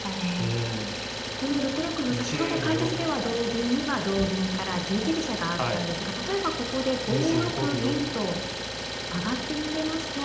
この６六歩先ほど解説では同銀には同銀から十字飛車があったんですが例えばここで５六銀と上がって逃げますと。